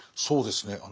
そうですね